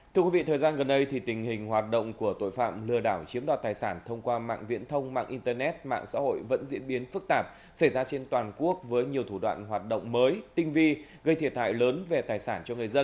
thưa quý vị thời gian gần đây tình hình hoạt động của tội phạm lừa đảo chiếm đoạt tài sản thông qua mạng viễn thông mạng internet mạng xã hội vẫn diễn biến phức tạp xảy ra trên toàn quốc với nhiều thủ đoạn hoạt động mới tinh vi gây thiệt hại lớn về tài sản cho người dân